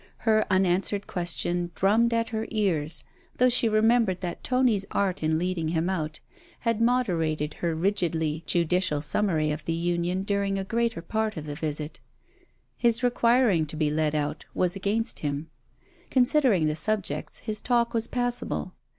Her unanswered question drummed at her ears, though she remembered that Tony's art in leading him out had moderated her rigidly judicial summary of the union during a greater part of the visit. But his requiring to be led out, was against him. Considering the subjects, his talk was passable.